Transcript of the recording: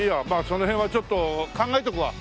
その辺はちょっと考えとくわ。